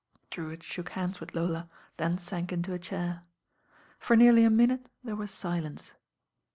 Drewitt shook hands with Lola, then sank into a chair. For nearly a minute there was silence.